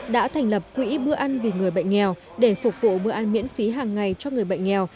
đã thành lập quỹ bữa ăn vì người bệnh nghèo để phục vụ bữa ăn miễn phí hàng ngày cho người bệnh nghèo